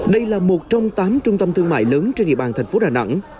đây là một trong tám trung tâm thương mại lớn trên địa bàn thành phố đà nẵng